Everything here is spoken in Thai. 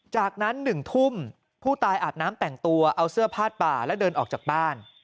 จากนั้น๑ทุ่มผู้ตายอาบน้ำแต่งตัวเอาเสื้อผ้าป่าแล้วเดินออกจากบ้าน